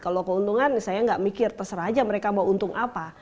kalau keuntungan saya nggak mikir terserah aja mereka bawa untung apa